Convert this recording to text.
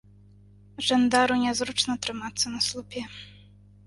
Жандару нязручна трымацца на слупе.